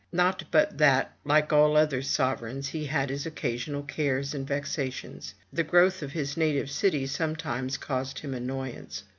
Not but that, like all other sovereigns, he had his occasional cares and vexations. The growth of his native city sometimes caused him annoyance.